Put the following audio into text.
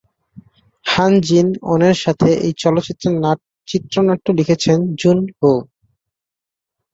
হান জিন-ওনের সাথে এই চলচ্চিত্রের চিত্রনাট্য লিখেছেন জুন-হো।